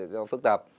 do phức tạp